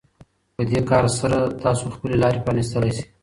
په دې کار سره تاسو خپلې لارې پرانيستلی شئ.